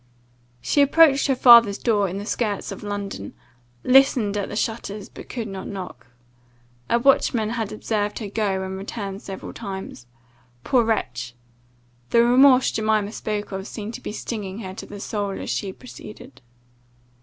"She approached her father's door, in the skirts of London, listened at the shutters, but could not knock. A watchman had observed her go and return several times Poor wretch! [The remorse Jemima spoke of, seemed to be stinging her to the soul, as she proceeded.